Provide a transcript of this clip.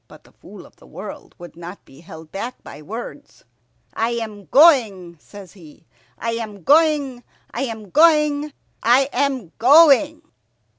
But the Fool of the World would not be held back by words. "I am going," says he. "I am going. I am going. I am going."